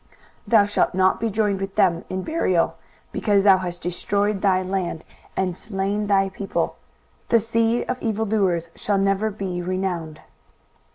23:014:020 Thou shalt not be joined with them in burial, because thou hast destroyed thy land, and slain thy people: the seed of evildoers shall never be renowned.